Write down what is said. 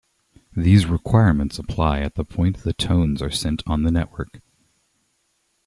These requirements apply at the point the tones are sent on the network.